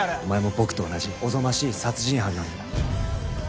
お前も僕と同じおぞましい殺人犯なんだよ。